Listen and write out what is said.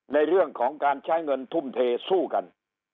ในเรื่องของการใช้เงินทุ่มเทสู้กัน